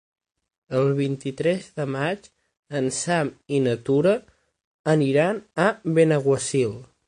El vint-i-tres de maig en Sam i na Tura aniran a Benaguasil.